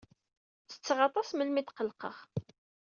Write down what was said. Ttetteɣ aṭas melmi tqellqeɣ.